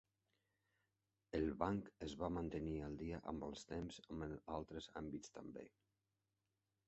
El banc es va mantenir al dia amb els temps en altres àmbits també.